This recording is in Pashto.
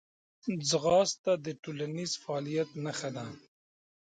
ځغاسته د ټولنیز فعالیت نښه ده